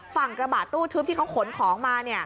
ฝั่งกระบะตู้ทึบที่เขาขนของมา